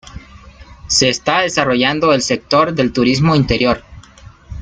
Se está desarrollando el sector del turismo interior.